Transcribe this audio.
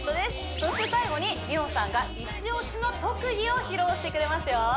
そして最後に美桜さんがイチ推しの特技を披露してくれますよ